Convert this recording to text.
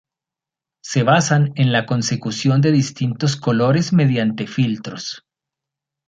Se basan en la consecución de los distintos colores mediante filtros.